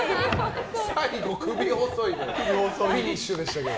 最後、首細いでフィニッシュでしたけど。